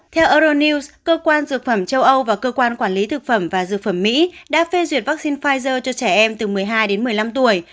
theo euronews cơ quan dược phẩm châu âu và cơ quan quản lý thực phẩm và dược phẩm mỹ đã phê duyệt vaccine pfizer cho trẻ em từ một mươi hai đến một mươi năm tuổi